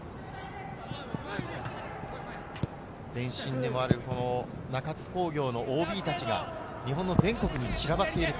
前身でもある中津工業のＯＢたちが日本の全国に散らばっている。